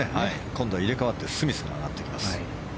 今度は入れ替わってスミスが上がってきます。